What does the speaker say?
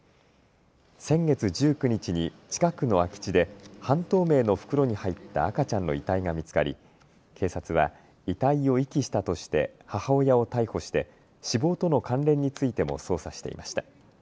先月１９日に近くの空き地で半透明の袋に入った赤ちゃんの遺体が見つかり警察は遺体を遺棄したとして母親を逮捕して死亡との関連についても捜査していました。